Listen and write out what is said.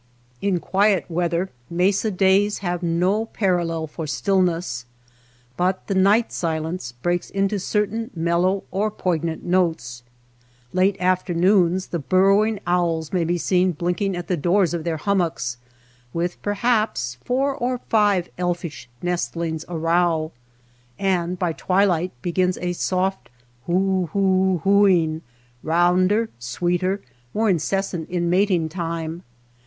In quiet weather mesa days have no parallel for stillness, but the night silence breaks into certain mellow or poignant notes. Late afternoons the burrowing owls may be seen blinking at the doors of their hummocks with perhaps four or five elf ish nestlings arow, and by twilight begin a soft whoo oo ing, rounder, sweeter, more in cessant in mating time.